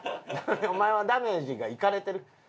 お前はダメージがイカれてる。